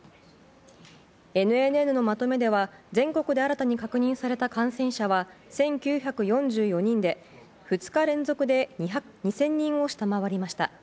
ＮＮＮのまとめでは全国で新たに確認された感染者は１９４４人で２日連続で２０００人を下回りました。